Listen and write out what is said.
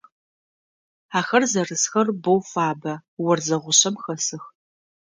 Ахэр зэрысхэр боу фабэ, орзэ гъушъэм хэсых.